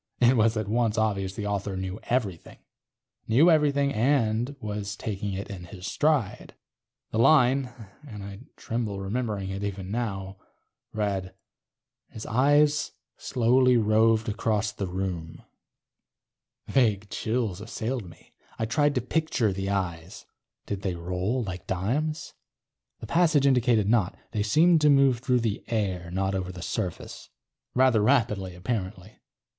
It was at once obvious the author knew everything. Knew everything and was taking it in his stride. The line (and I tremble remembering it even now) read: ... his eyes slowly roved about the room. Vague chills assailed me. I tried to picture the eyes. Did they roll like dimes? The passage indicated not; they seemed to move through the air, not over the surface. Rather rapidly, apparently.